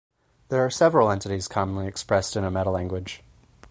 There are several entities commonly expressed in a metalanguage.